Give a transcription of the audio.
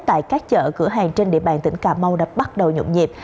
tại các chợ cửa hàng trên địa bàn tỉnh cà mau đã bắt đầu nhộn nhịp